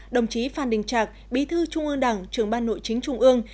đồng chí phan đình trạc bí thư trung ương đảng trường ban nội chính trung ương